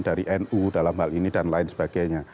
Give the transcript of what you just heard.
dari nu dalam hal ini dan lain sebagainya